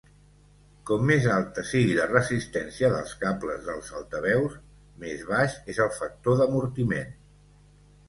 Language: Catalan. Com més alta sigui la resistència dels cables dels altaveus, més baix és el factor d'amortiment.